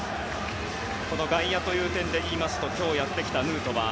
外野という点で言いますと今日やってきたヌートバー